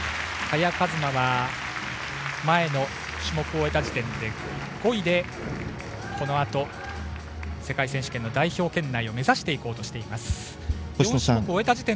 萱和磨は前の種目を終えた時点で５位で、このあと世界選手権の代表圏内を目指していこうとしています。